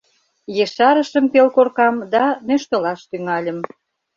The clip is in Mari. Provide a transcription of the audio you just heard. Ешарышым пел коркам да нӧштылаш тӱҥальым.